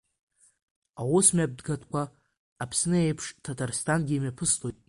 Аусмҩаԥгатәқәа Аԥсны еиԥш, Ҭаҭарсҭангьы имҩаԥыслоит.